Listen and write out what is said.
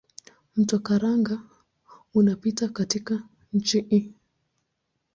Mto Karanga unapita katika nchi hii.